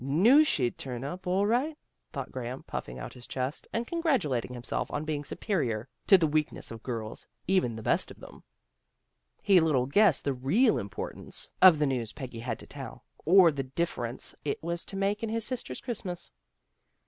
" Knew she'd turn up, all right," thought Graham, puffing out his chest, and congratulating himself on being superior to the weakness of girls, even the best of them. He little guessed the real importance of the 200 THE GIRLS OF FRIENDLY TERRACE news Peggy had to tell, or the difference it was to make in his sister's Christmas.